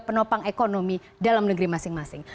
penopang ekonomi dalam negeri masing masing